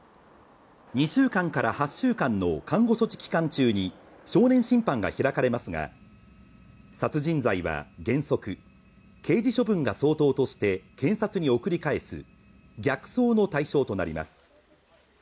２週間から８週間の観護措置期間中に少年審判が開かれますが、殺人罪は原則、刑事処分が相当として、検察に送り返す逆送の対象となります。